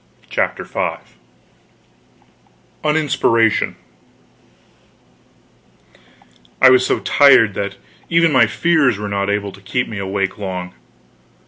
CHAPTER V AN INSPIRATION I was so tired that even my fears were not able to keep me awake long.